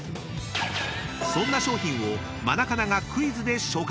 ［そんな商品をマナカナがクイズで紹介］